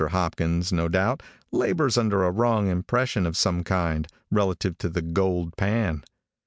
Hopkins, no doubt, labors under a wrong impression of some kind, relative to the gold pan.